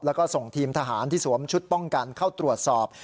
แล้วก็ส่งทีมทหารที่สวมชุดป้องกันเข้าตรวจสอบ